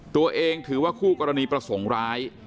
ตัวเองถือว่าคู่กรณีประสงค์ร้าย